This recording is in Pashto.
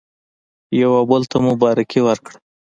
یو او بل ته مو مبارکي ورکړه.